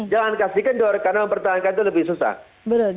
jangan kasih kendor karena mempertahankan itu lebih susah